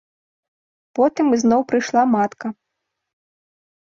Потым ізноў прыйшла матка.